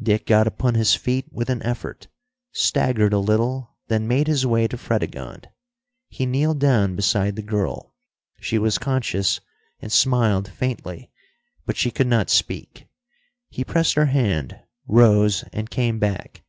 Dick got upon his feet with an effort, staggered a little, then made his way to Fredegonde. He kneeled down beside the girl. She was conscious, and smiled faintly, but she could not speak. He pressed her hand, rose, and came back.